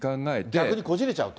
逆にこじれちゃうと。